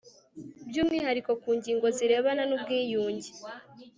by umwihariko ku ngingo zirebana n ubwiyunge